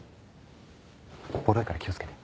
ボロいから気をつけて。